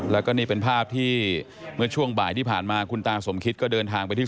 แล้วก็นี่เป็นภาพที่เมื่อช่วงบ่ายที่ผ่านมาคุณตาสมคิตก็เดินทางไปที่